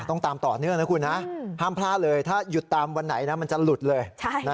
ต้องตามต่อเนื่องนะคุณนะห้ามพลาดเลยถ้าหยุดตามวันไหนนะมันจะหลุดเลย